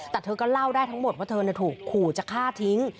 แต่เธอก็เล่าได้ทั้งหมดว่าเธอถูกขู่จะฆ่าทิ้ง